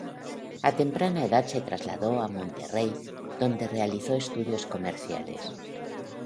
A temprana edad se trasladó a Monterrey, donde realizó estudios comerciales.